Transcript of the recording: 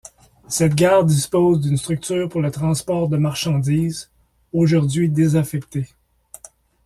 Cette gare dispose d'une structure pour le transport de marchandises, aujourd'hui désaffecté.